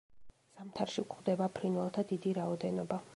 ზამთარში გვხვდება ფრინველთა დიდი რაოდენობა.